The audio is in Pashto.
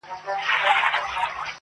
دغسې ناست يې ذوالقرنينه خاينان خو شميرۀ